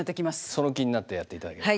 その気になってやっていただければ。